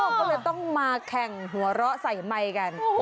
ก็เลยต้องมาแข่งหัวเราะใส่ไมค์กัน